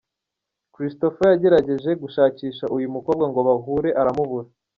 Christopher yagerageje gushakisha uyu mukobwa ngo bahure aramubura.